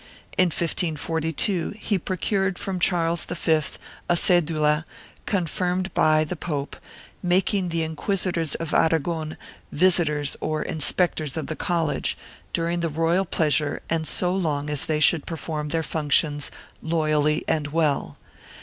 In 1542 he procured from Charles V a cedula, confirmed by the pope, making the inquisitors of Aragon visitors or inspectors of the college, during the royal pleasure and so long as they should perform their functions loyally and well.